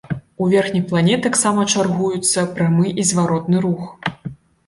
У верхніх планет таксама чаргуюцца прамы і зваротны рух.